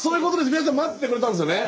皆さん待っててくれたんですよね。